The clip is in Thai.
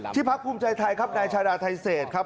พักภูมิใจไทยครับนายชาดาไทเศษครับ